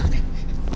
aku mau ke rumah